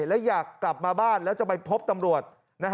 และอยากกลับมาบ้านแล้วจะไปพบตำรวจ